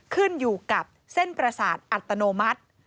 ขึ้นอยู่กับเส้นประสาทอัตโนมัติ